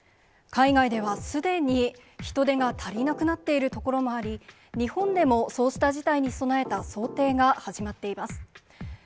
海外ではすでに人手が足りなくなっている所もあり、日本でもそうした事態に備えた想定が始まっています。